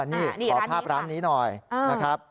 นี่ขอภาพร้านนี้หน่อยนะครับ